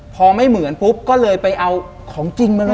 พอไม่เหมือนปุ๊บก็เลยไปเอาของจริงมาเลย